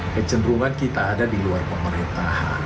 kecenderungan kita ada di luar pemerintahan